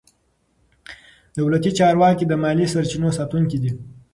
دولتي چارواکي د مالي سرچینو ساتونکي دي.